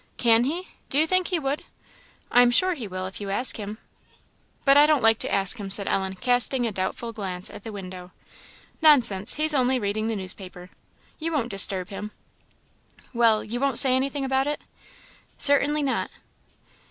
"Can he? Do you think he would?" "I am sure he will, if you ask him." "But I don't like to ask him," said Ellen, casting a doubtful glance at the window. "Nonsense, he's only reading the newspaper. You won't disturb him." "Well, you won't say anything about it?" "Certainly not."